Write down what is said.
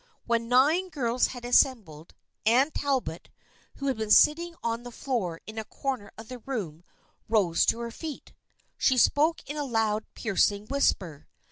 When nine girls had assembled, Anne Talbot, who had been sitting on the floor in a corner of the room, rose to her feet. She spoke in a loud piercing whisper.